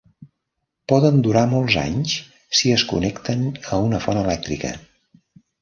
Poden durar molts anys si es connecten a una font elèctrica.